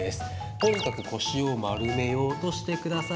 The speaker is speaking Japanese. とにかく腰を丸めようとしてください。